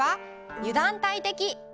油断大敵。